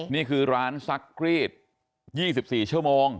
นี่คือร้านซักกรีด๒๔ชั่วโมง